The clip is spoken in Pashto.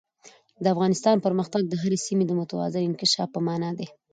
د افغانستان پرمختګ د هرې سیمې د متوازن انکشاف په مانا دی.